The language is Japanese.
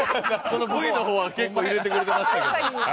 Ｖの方は結構入れてくれてましたけど。